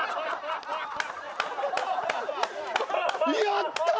やった！